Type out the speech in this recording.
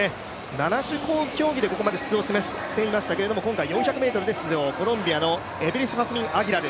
七種競技でこれまで出場していましたけれども今回４００ｍで出場、コロンビアのエベリスハスミン・アギラル。